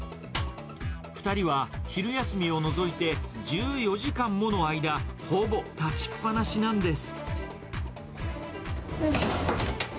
２人は昼休みを除いて１４時間もの間、ほぼ立ちっ放しなんです。